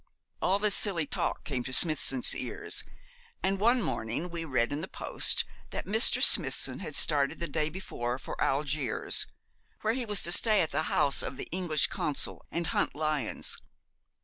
All this silly talk came to Smithson's ears, and one morning we read in the Post that Mr. Smithson had started the day before for Algiers, where he was to stay at the house of the English Consul, and hunt lions.